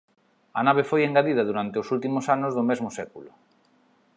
A nave foi engadida durante os últimos anos do mesmo século.